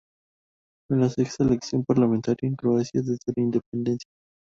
Era la sexta elección parlamentaria en Croacia desde la independencia.